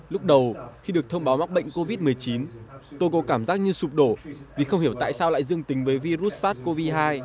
lúc đầu khi được thông báo mắc bệnh covid một mươi chín tôi có cảm giác như sụp đổ vì không hiểu tại sao lại dương tính với virus sars cov hai